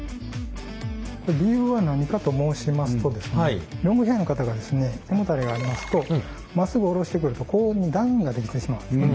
理由は何かと申しますとですねロングヘアの方がですね背もたれがありますとまっすぐ下ろしてくるとこういうふうに段が出来てしまうんですね。